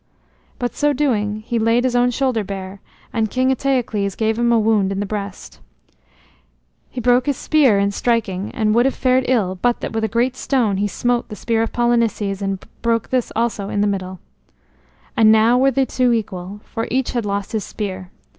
But so doing he laid his own shoulder bare, and King Eteocles gave him a wound in the breast. He brake his spear in striking and would have fared ill but that with a great stone he smote the spear of Polynices and brake this also in the middle. And now were the two equal, for each had lost his spear.